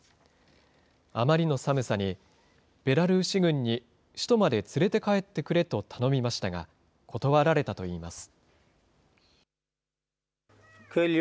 あまりの寒さに、ベラルーシ軍に首都まで連れて帰ってくれと頼みましたが、断られたといいます。